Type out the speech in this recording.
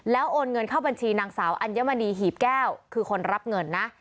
แล้วโอนเงินเข้าบัญชีนางสาวอัญมณีหีบแก้วคือคนรับเงินนะ